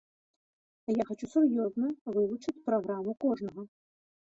Я хачу сур'ёзна вывучыць праграму кожнага.